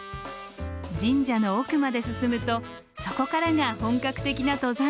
神社の奥まで進むとそこからが本格的な登山道。